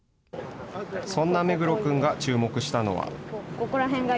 そんな目黒君が注目したのは。